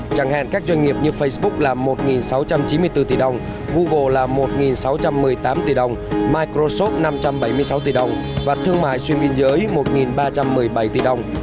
chẳng hạn các doanh nghiệp như facebook là một sáu trăm chín mươi bốn tỷ đồng google là một sáu trăm một mươi tám tỷ đồng microsoft năm trăm bảy mươi sáu tỷ đồng và thương mại xuyên biên giới một ba trăm một mươi bảy tỷ đồng